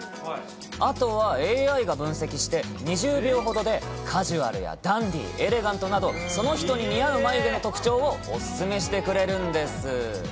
あとはＡＩが分析して、２０秒ほどで、カジュアルやダンディ、エレガントなど、その人に似合う眉毛の特徴をお勧めしてくれるんです。